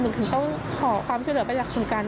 ถึงต้องขอความช่วยเหลือไปจากคุณกัน